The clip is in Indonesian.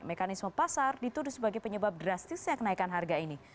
mekanisme pasar dituduh sebagai penyebab drastis yang menaikkan harga ini